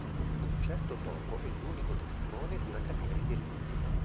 Un certo topo è l'unico testimone di una catena di delitti.